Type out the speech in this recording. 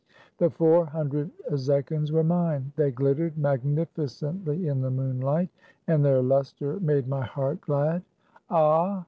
The four hundred zechins were mine. They glittered magnificently in the moonlight, and their luster made my heart glad. Ah